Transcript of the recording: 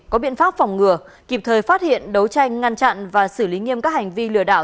có biện pháp phòng ngừa kịp thời phát hiện đấu tranh ngăn chặn và xử lý nghiêm các hành vi lừa đảo